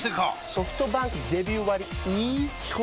ソフトバンクデビュー割イズ基本